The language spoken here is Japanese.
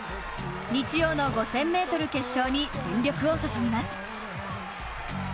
日曜の５０００ｍ決勝に全力を注ぎます。